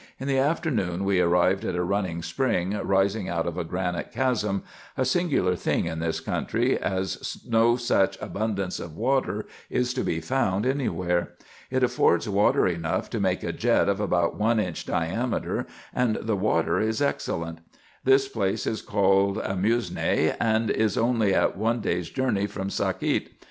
In the afternoon we arrived at a running spring, rising out of a granite chasm — a singular thing in this country, as no such abundance of water is to be found any where. It affords water enough to make a jet of about one inch diameter, and the water is excellent. This place is called Amusue, and is only at one day's journey from Sakiet.